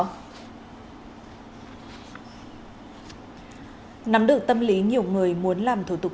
nắm được tâm lý nhiều người muốn làm thủ tục